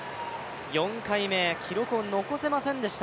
４回目、記録を残せませんでした。